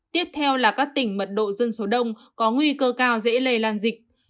tiếp theo là các tỉnh mật độ dân số đông có nguy cơ cao dễ lây lan dịch